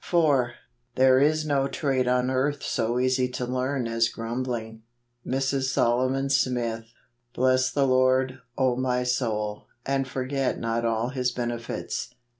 73 74 JULY. 4. There is no trade on earth so easy to learn as grumbling. Mrs. Solomon Smith. " Bless the Lord, 0 ray soul , and forget not all his benefits